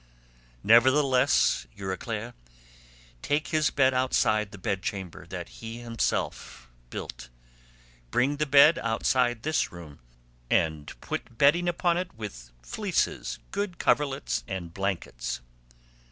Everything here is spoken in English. Nevertheless, Euryclea, take his bed outside the bed chamber that he himself built. Bring the bed outside this room, and put bedding upon it with fleeces, good coverlets, and blankets."